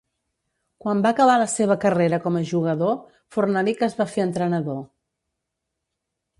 Quan va acabar la seva carrera com a jugador, Fornalik es va fer entrenador.